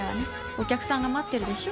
お客さんが待ってるでしょ。